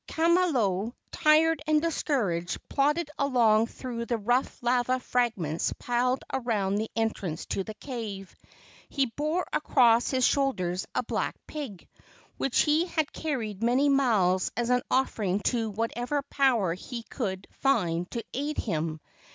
Kamalo, tired and discouraged, plodded along through the rough lava fragments piled around the entrance to the cave. He bore across his shoulders a black pig, which he had carried many miles as an offering to whatever power he could find to aid him.